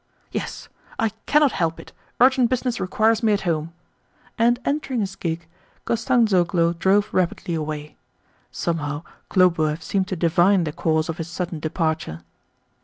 "Yes; I cannot help it; urgent business requires me at home." And entering his gig, Kostanzhoglo drove rapidly away. Somehow Khlobuev seemed to divine the cause of his sudden departure.